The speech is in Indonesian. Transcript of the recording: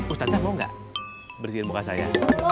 ustazah mau nggak bersihin muka saya